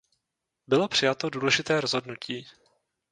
Bylo přijato důležité rozhodnutí.